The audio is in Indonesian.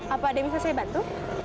apa ada yang bisa saya bantu